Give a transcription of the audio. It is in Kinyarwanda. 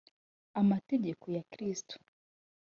amategeko ya kristo